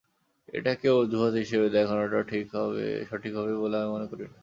এটাকে অজুহাত হিসেবে দেখানোটা সঠিক হবে বলে আমি মনে করি না।